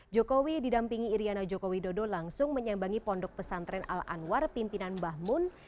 jokowi didampingi iryana jokowi dodo langsung menyambangi pondok pesantren al anwar pimpinan bahmun